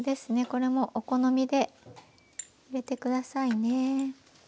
これもお好みで入れて下さいね。